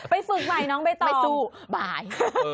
ไปฝึกใหม่น้องไปต่อไม่สู้บาย